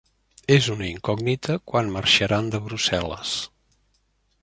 És una incògnita quan marxaran de Brussel·les.